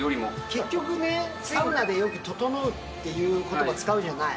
結局ね、サウナでよくととのうっていうことば使うじゃない？